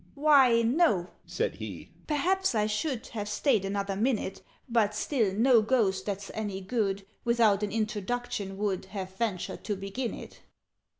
"Why, no," said he; "perhaps I should Have stayed another minute But still no Ghost, that's any good, Without an introduction would Have ventured to begin it.